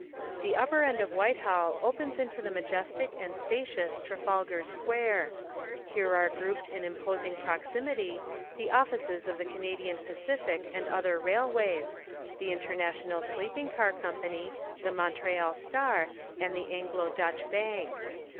The upper end of Whitehall opens into the majestic and spacious Trafalgar Square. Here are grouped in imposing proximity the offices of the Canadian Pacific and other railways, The International Sleeping Car Company, the Montreal Star, and the Anglo Dutch Bank.